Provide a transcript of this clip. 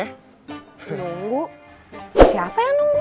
nunggu siapa yang nunggu